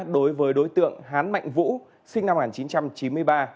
đối với đối tượng hán mạnh vũ sinh năm một nghìn chín trăm chín mươi ba